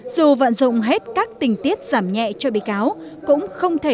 dù vận dụng hết các tình tiết giảm nhẹ cho bị cáo